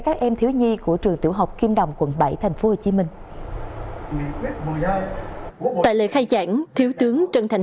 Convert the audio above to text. các em thiếu nhi của trường tiểu học kim đồng quận bảy tp hcm tại lễ khai giảng thiếu tướng trần thành